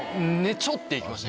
ちょっていきました。